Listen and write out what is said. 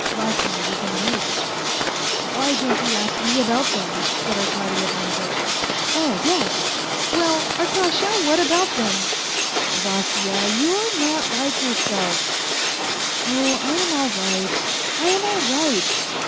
Vasya was in haste. " Why don't you ask me about them ?" said Arkady Ivanovitch. 182 A FAINT HEART " Oh, yes ! Well, Arkasha, what about them ?"" Vasya, you are not like yourself." " Oh, I am all right, I am all right.